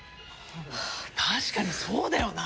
確かにそうだよな！